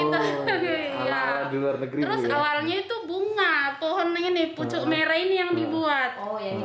terus awalnya itu bunga pohon ini pucuk merah ini yang dibuat